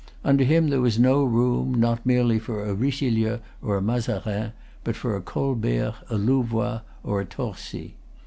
Under him there was no room, not merely for a Richelieu or a Mazarin, but for a Colbert, a Louvois, or a Torcy.